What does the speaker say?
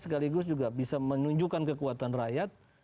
sekaligus juga bisa menunjukkan kekuatan rakyat